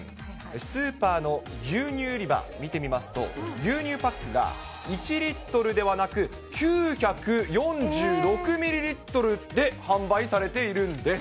スーパーの牛乳売り場、見てみますと、牛乳パックが１リットルではなく、９４６ミリリットルで販売されているんです。